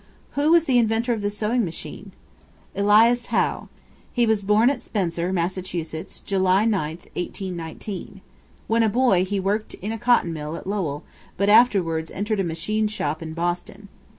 Who was the inventor of the Sewing Machine? Elias Howe. He was born at Spencer, Mass., July 9, 1819. When a boy he worked in a cotton mill at Lowell, but afterwards entered a machine shop in Boston.